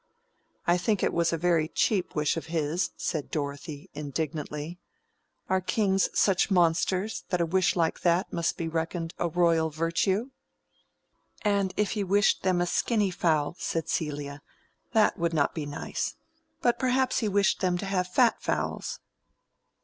"I think it was a very cheap wish of his," said Dorothea, indignantly. "Are kings such monsters that a wish like that must be reckoned a royal virtue?" "And if he wished them a skinny fowl," said Celia, "that would not be nice. But perhaps he wished them to have fat fowls."